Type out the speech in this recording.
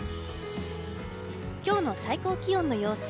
今日の最高気温の様子。